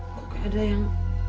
kok ada yang